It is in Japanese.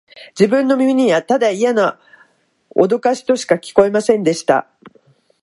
自分の耳には、ただイヤなおどかしとしか聞こえませんでした